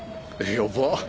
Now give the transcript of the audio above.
やばっ。